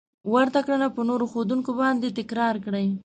ورته کړنه په نورو ښودونکو باندې تکرار کړئ.